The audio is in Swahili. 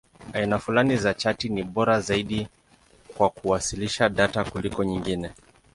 Aina fulani za chati ni bora zaidi kwa kuwasilisha data kuliko nyingine.